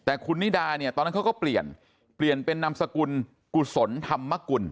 แต่คุณนิดาเนี่ยตอนนั้นเขาก็เปลี่ยนเปลี่ยนเป็นนามสกุลกุศลธรรมกุล